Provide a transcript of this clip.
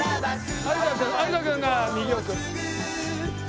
有田君が右奥。